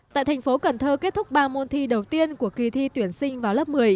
tại thành phố cần thơ kết thúc ba môn thi đầu tiên của kỳ thi tuyển sinh vào lớp một mươi